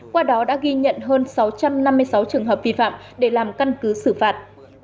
qua đó đã ghi nhận hơn sáu trăm năm mươi sáu trường hợp vi phạm để làm căn cứ xử phạt